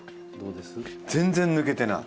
全然抜けてない。